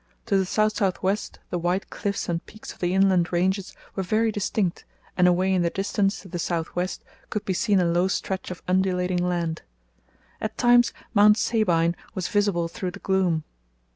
To the south south west the white cliffs and peaks of the inland ranges were very distinct, and away in the distance to the south west could be seen a low stretch of undulating land. At times Mount Sabine was visible through the gloom.